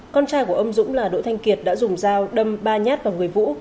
con trai của ông dũng là đỗ thanh kiệt đã dùng dao đâm ba nhát vào người vũ